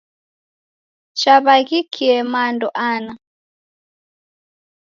Chaw'aghikie mando ana.